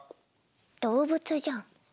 動物じゃん。